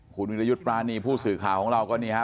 คุณวิรยุทธ์ปรานีผู้สื่อข่าวของเราก็นี่ฮะ